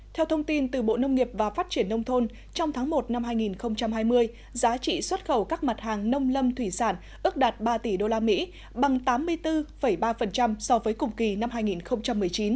theo thông tin từ bộ nông nghiệp và phát triển nông thôn trong tháng một năm hai nghìn hai mươi giá trị xuất khẩu các mặt hàng nông lâm thủy sản ước đạt ba tỷ usd bằng tám mươi bốn ba so với cùng kỳ năm hai nghìn một mươi chín